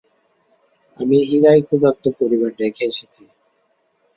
আমি হীরায় ক্ষুধার্ত পরিবার রেখে এসেছি।